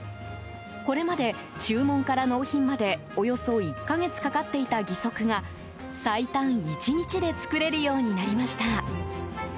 これまで注文から納品までおよそ１か月かかっていた義足が最短１日で作れるようになりました。